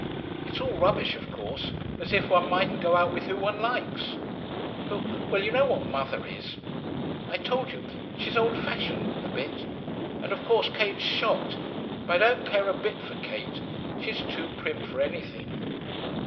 It's all rubbish, of course; as if one mightn't go out with who one likes ... but, well, you know what mother is. I told you, she's old fashioned, a bit. And of course Kate's shocked, but I don't care a bit for Kate, she's too prim for anything.'